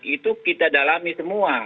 itu kita dalami semua